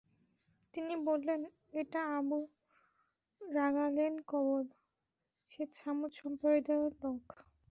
তিনি বললেন, এটা আবু রাগালের কবর, সে ছামূদ সম্প্রদায়ের লোক।